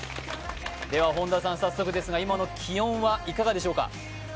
では本田さん、早速ですが今の気温はいかがでしょうか。